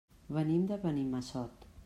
Venim de Benimassot.